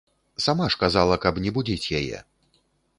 Сама ж казала, каб не будзіць яе.